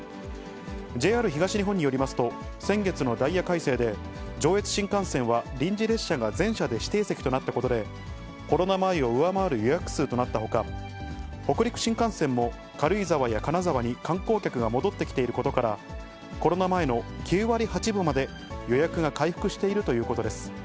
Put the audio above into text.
ＪＲ東日本によりますと、先月のダイヤ改正で、上越新幹線は臨時列車が全車で指定席となったことで、コロナ前を上回る予約数となったほか、北陸新幹線も軽井沢や金沢に観光客が戻ってきていることから、コロナ前の９割８分まで予約が回復しているということです。